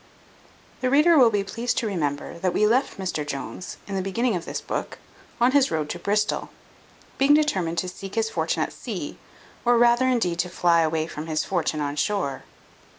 The reader will be pleased to remember, that we left Mr Jones, in the beginning of this book, on his road to Bristol; being determined to seek his fortune at sea, or rather, indeed, to fly away from his fortune on shore.